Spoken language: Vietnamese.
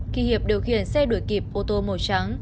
khi hiệp điều khiển xe đuổi kịp ô tô màu trắng